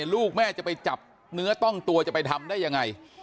ลูกแม่จะไปจับเนื้อต้องตัวจะไปทำได้ยังไง